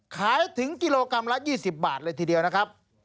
ขายถึงกิโลกรัมละ๒๐บาทเลยทีเดียวนะครับ